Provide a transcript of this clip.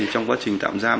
trong quá trình tạm giam